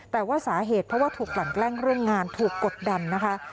แต่ว่าสาเหตุเพราะว่าถูกกลั่นแกล้งเรื่องงานถูกกดดันนะคะ